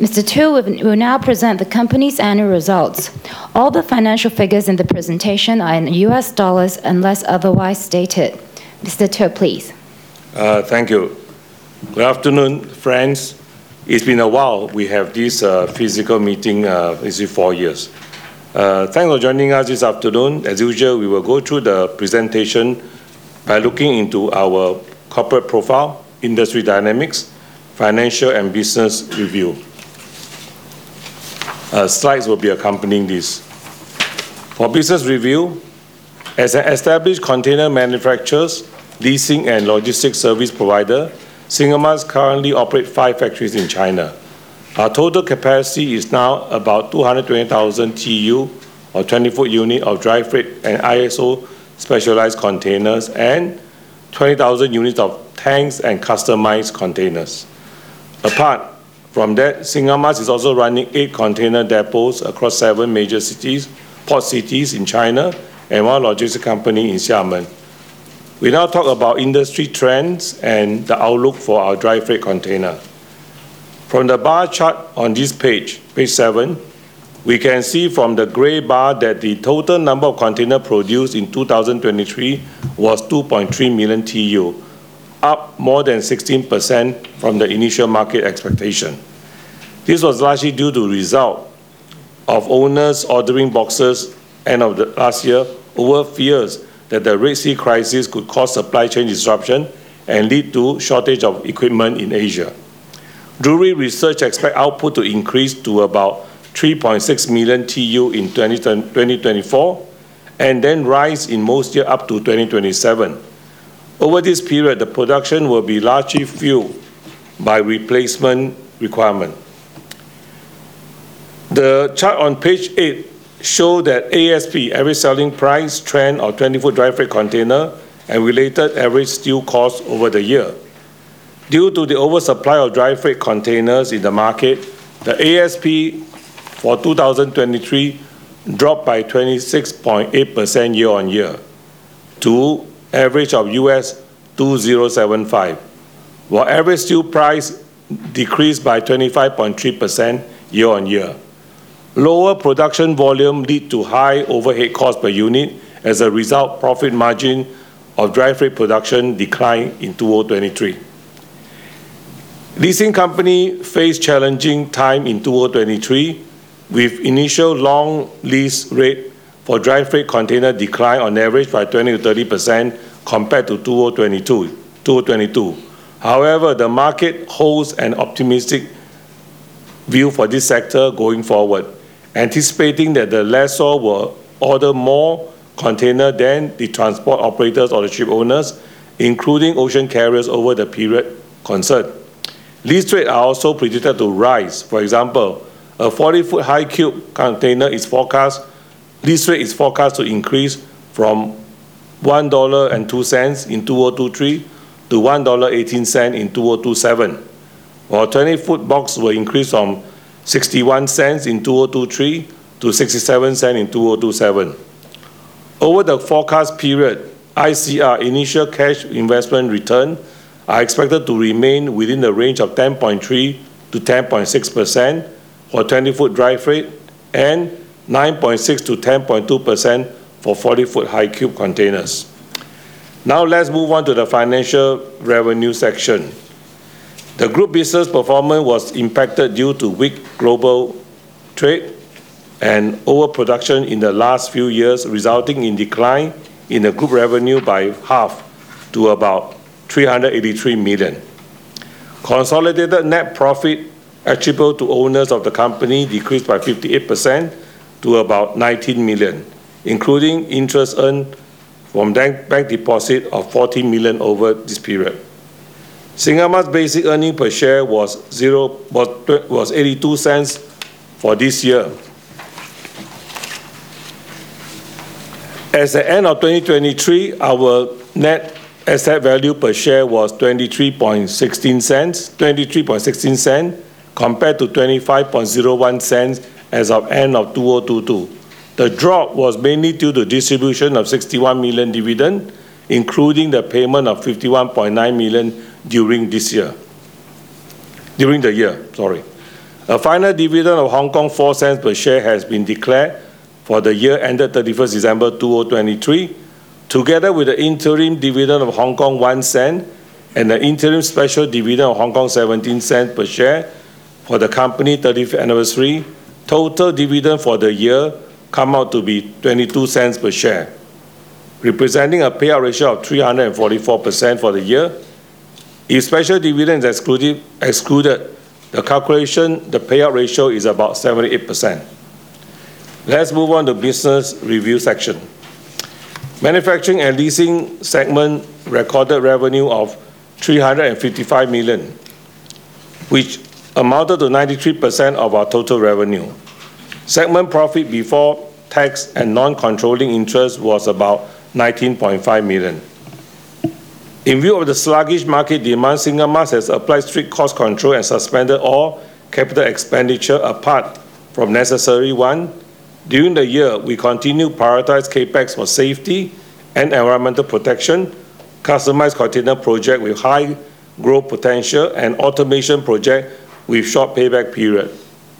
Mr. Teo, we will now present the company's annual results. All the financial figures in the presentation are in U.S. dollars unless otherwise stated. Mr. Teo, please. Thank you. Good afternoon, friends. It's been a while we have this physical meeting. It's been four years. Thanks for joining us this afternoon. As usual, we will go through the presentation by looking into our corporate profile, industry dynamics, financial, and business review. Slides will be accompanying this. For business review, as an established container manufacturer, leasing, and logistics service provider, Singamas currently operates five factories in China. Our total capacity is now about 220,000 TEU, or 20-foot units, of dry freight and ISO-specialized containers, and 20,000 units of tanks and customized containers. Apart from that, Singamas is also running eight container depots across seven major port cities in China and one logistics company in Xiamen. We now talk about industry trends and the outlook for our dry freight container. From the bar chart on this page, page seven, we can see from the gray bar that the total number of containers produced in 2023 was 2.3 million TEU, up more than 16% from the initial market expectation. This was largely due to the result of owners ordering boxes end of last year over fears that the Red Sea crisis could cause supply chain disruption and lead to a shortage of equipment in Asia. Drewry research expects output to increase to about 3.6 million TEU in 2024 and then rise in most years up to 2027. Over this period, the production will be largely fueled by replacement requirements. The chart on page eight shows the ASP average selling price trend of 20-foot dry freight containers and related average steel costs over the year. Due to the oversupply of dry freight containers in the market, the ASP for 2023 dropped by 26.8% year-on-year, to average of $2,075, while average steel price decreased by 25.3% year-on-year. Lower production volume led to high overhead costs per unit as a result of profit margin of dry freight production declining in 2023. Leasing companies faced challenging times in 2023, with initial long lease rates for dry freight containers declining on average by 20%-30% compared to 2022. However, the market holds an optimistic view for this sector going forward, anticipating that the lessor will order more containers than the transport operators or the ship owners, including ocean carriers over the period concerned. Lease rates are also predicted to rise. For example, a 40-foot high-cube container lease rate is forecast to increase from $1.02 in 2023 to $1.18 in 2027, while 20-foot boxes will increase from $0.61 in 2023 to $0.67 in 2027. Over the forecast period, ICR initial cash investment returns are expected to remain within the range of 10.3%-10.6% for 20-foot dry freight and 9.6%-10.2% for 40-foot high-cube containers. Now let's move on to the financial revenue section. The group business performance was impacted due to weak global trade and overproduction in the last few years, resulting in a decline in the group revenue by half to about $383 million. Consolidated net profit attributable to owners of the company decreased by 58% to about $19 million, including interest earned from bank deposits of $40 million over this period. Singamas' basic earnings per share was $0.82 for this year. At the end of 2023, our net asset value per share was $23.16, compared to $25.01 as of the end of 2022. The drop was mainly due to the distribution of $61 million dividend, including the payment of $51.9 million during the year. A final dividend of HK 0.04 per share has been declared for the year ended December 31st, 2023, together with the interim dividend of HK 0.01 and the interim special dividend of HK 0.17 per share for the company's 35th anniversary. Total dividends for the year came out to be HK 0.22 per share, representing a payout ratio of 344% for the year. If special dividends are excluded, the payout ratio is about 78%. Let's move on to the business review section. Manufacturing and leasing segments recorded revenues of $355 million, which amounted to 93% of our total revenue. Segment profit before tax and non-controlling interest was about $19.5 million. In view of the sluggish market demands, Singamas has applied strict cost control and suspended all capital expenditure apart from necessary ones. During the year, we continued to prioritize CAPEX for safety and environmental protection, customized container projects with high growth potential, and automation projects with short payback periods.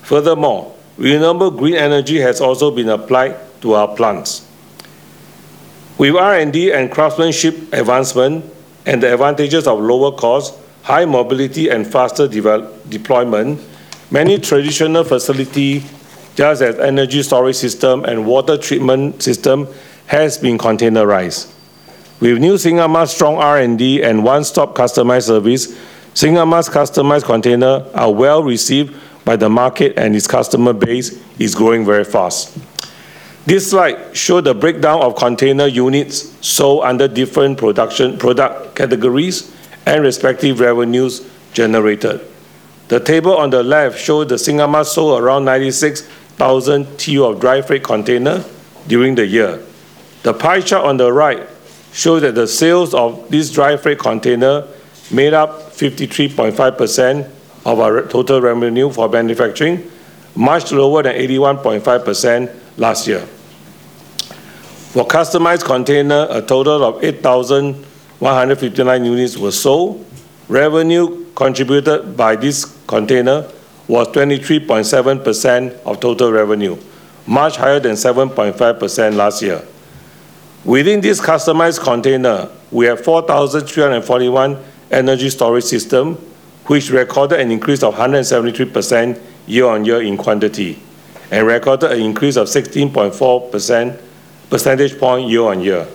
Furthermore, renewable green energy has also been applied to our plants. With R&D and craftsmanship advancements and the advantages of lower costs, high mobility, and faster deployment, many traditional facilities, such as energy storage systems and water treatment systems, have been containerized. With new Singamas' strong R&D and one-stop customized service, Singamas' customized containers are well received by the market, and its customer base is growing very fast. This slide shows the breakdown of container units sold under different product categories and respective revenues generated. The table on the left shows that Singamas sold around 96,000 TEU of dry freight containers during the year. The pie chart on the right shows that the sales of these dry freight containers made up 53.5% of our total revenue for manufacturing, much lower than 81.5% last year. For customized containers, a total of 8,159 units were sold. Revenue contributed by these containers was 23.7% of total revenue, much higher than 7.5% last year. Within these customized containers, we have 4,341 energy storage systems, which recorded an increase of 173% year-on-year in quantity and recorded an increase of 16.4% percentage points year-on-year.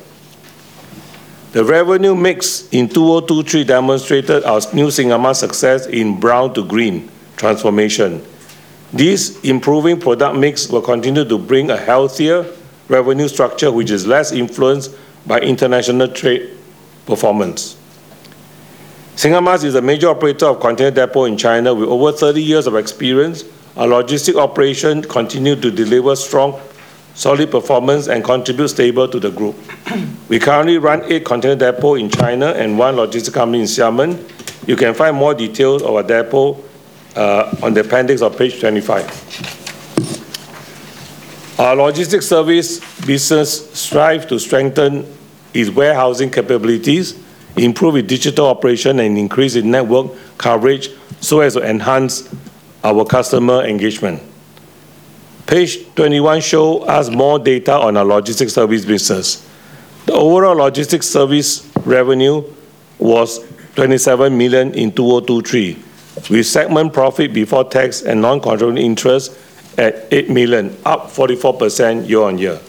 The revenue mix in 2023 demonstrated our new Singamas' success in brown-to-green transformation. These improving product mixes will continue to bring a healthier revenue structure, which is less influenced by international trade performance. Singamas is a major operator of container depots in China with over 30 years of experience. Our logistics operations continue to deliver strong, solid performance and contribute stably to the group. We currently run eight container depots in China and one logistics company in Xiamen. You can find more details about our depot in the appendix on page 25. Our logistics service business strives to strengthen its warehousing capabilities, improve its digital operations, and increase its network coverage so as to enhance our customer engagement. Page 21 shows us more data on our logistics service business. The overall logistics service revenue was $27 million in 2023, with segment profit before tax and non-controlling interests at $8 million, up 44% year-on-year.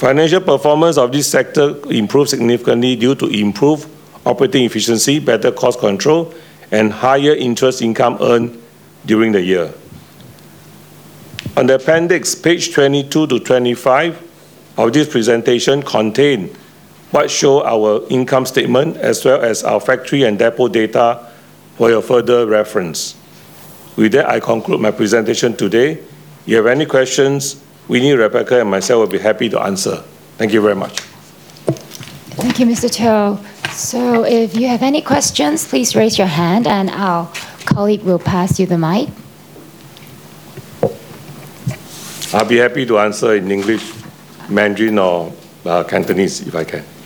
Financial performance of this sector improved significantly due to improved operating efficiency, better cost control, and higher interest income earned during the year. On the appendix, pages 22-25 of this presentation contain what shows our income statement as well as our factory and depot data for your further reference. With that, I conclude my presentation today. If you have any questions, we Rebecca and myself, we will be happy to answer. Thank you very much. Thank you, Mr. Teo. If you have any questions, please raise your hand, and our colleague will pass you the mic. I will be happy to answer in English, Mandarin, or Cantonese if I can. Yes.